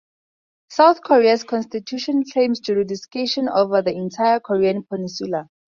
South Korea's constitution claims jurisdiction over the entire Korean peninsula.